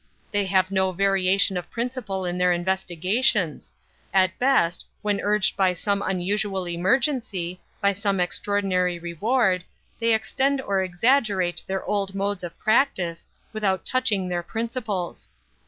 They have no variation of principle in their investigations; at best, when urged by some unusual emergency—by some extraordinary reward—they extend or exaggerate their old modes of practice, without touching their principles.